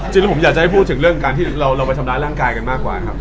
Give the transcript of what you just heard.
จริงแล้วผมอยากจะให้พูดถึงเรื่องการที่เราไปทำร้ายร่างกายกันมากกว่าครับ